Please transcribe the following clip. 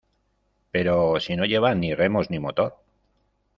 ¡ pero si no llevan ni remos, ni motor!